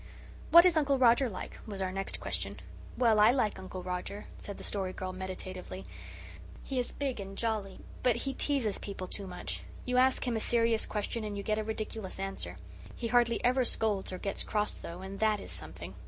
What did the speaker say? "What is Uncle Roger like?" was our next question. "Well, I like Uncle Roger," said the Story Girl meditatively. "He is big and jolly. But he teases people too much. You ask him a serious question and you get a ridiculous answer. He hardly ever scolds or gets cross, though, and THAT is something.